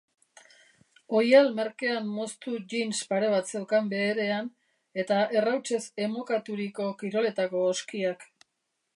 Oihal merkean moztu jeans pare bat zeukan beherean eta errautsez emokaturiko kiroletako oskiak.